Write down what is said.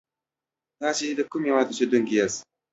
تاسی دکوم هیواد اوسیدونکی یاست